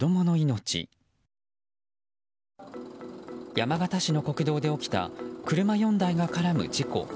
山県市の国道で起きた車４台が絡む事故。